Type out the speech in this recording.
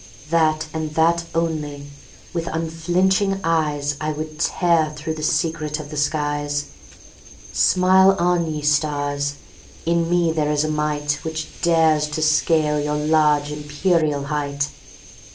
That, and that only! with unflinching eyesI would tear through the secret of the skies; Smile on, ye stars; in me there is a mightWhich dares to scale your large empyreal height.